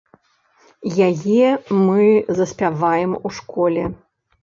Яе мы заспяваем у школе.